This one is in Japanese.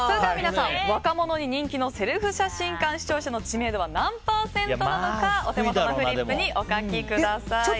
皆さん若者に人気のセルフ写真館視聴者の知名度は何パーセントなのかお手元のフリップにお書きください。